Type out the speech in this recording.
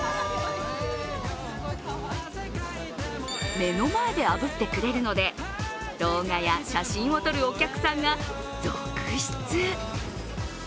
目の前であぶってくれるので動画や写真を撮るお客さんが続出。